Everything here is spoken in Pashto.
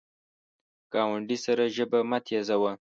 ګاونډي سره ژبه مه تیزوه